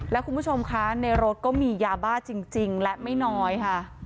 แล้วคุณผู้ชมคะในรถก็มียาบ้าจริงและไม่น้อยค่ะ